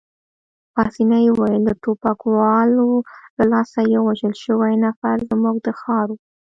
پاسیني وویل: د ټوپکوالو له لاسه یو وژل شوی نفر، زموږ د ښار وو.